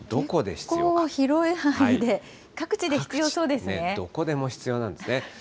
結構、広い範囲で各地で必要どこでも必要なんですね。